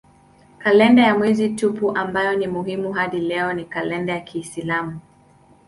Kalenda ya mwezi tupu ambayo ni muhimu hadi leo ni kalenda ya kiislamu.